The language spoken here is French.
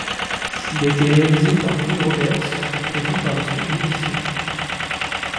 Il a été réalisé par Bill Roberts et produit par les studios Disney.